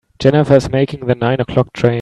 Jennifer is making the nine o'clock train.